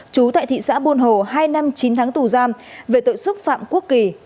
trú tại thị xã bồn hồ hai năm chín tháng tù giam về tội xúc phạm quốc kỳ